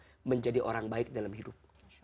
untuk menjadi orang baik dalam hidup